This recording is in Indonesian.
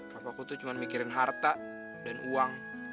papa ku tuh cuma mikirin harta dan uang